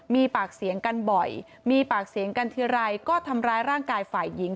มีปากเสียงกันบ่อยมีปากเสียงกันทีไรก็ทำร้ายร่างกายฝ่ายหญิง